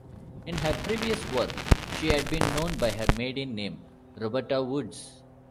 In her previous work she had been known by her maiden name, Roberta Woods.